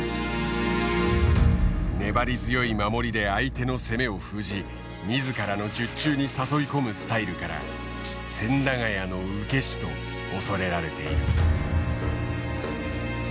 粘り強い守りで相手の攻めを封じ自らの術中に誘い込むスタイルから千駄ヶ谷の受け師と恐れられている。